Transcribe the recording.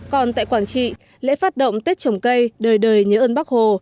còn tại quảng trị lễ phát động tết trồng cây đời đời nhớ ơn bác hồ